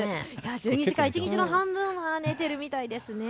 １２時間、一日の半分は寝ているみたいですね。